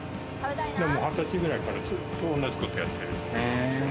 ２０歳くらいからずっと同じことやってる。